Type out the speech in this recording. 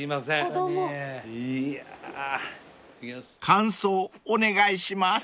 ［感想お願いします］